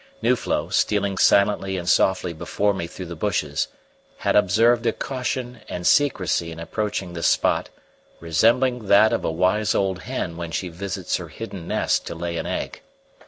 Nuflo, stealing silently and softly before me through the bushes, had observed a caution and secrecy in approaching this spot resembling that of a wise old hen when she visits her hidden nest to lay an egg.